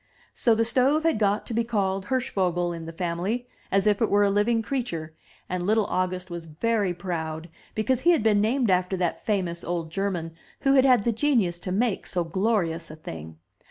So the stove had got to be called Hirschvogel in the family, as if it were a living creature, and little August was very proud because he had been named after that famous old German who had had the genius to make so glorious a thing.